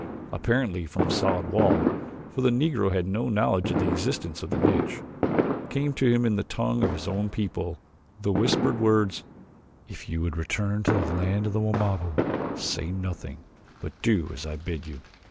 Apparently from a solid wall, for the Negro had no knowledge of the existence of the niche, came to him in the tongue of his own people, the whispered words: "If you would return to the land of the Wamabo say nothing, but do as I bid you."